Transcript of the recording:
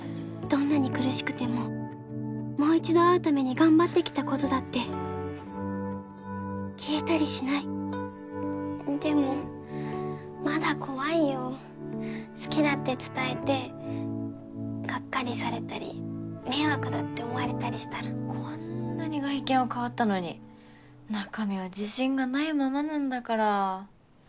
どんなに苦しくてももう一度会うために頑張ってきたことだって消えたりしないでもまだ怖いよ好きだって伝えてがっかりされたり迷惑だって思われたりしたらこんなに外見は変わったのに中身は自信がないままなんだから